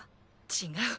違う。